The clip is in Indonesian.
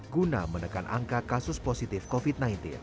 guna menekan angka kasus positif covid sembilan belas